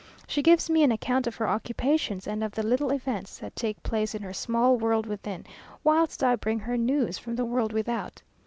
She gives me an account of her occupations and of the little events that take place in her small world within; whilst I bring her news from the world without.